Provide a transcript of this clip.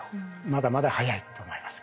まだまだ早いと思います。